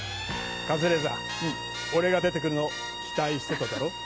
カズレーザー俺が出てくるの期待してただろ？